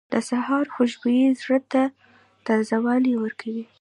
• د سهار خوشبو زړه ته تازهوالی ورکوي.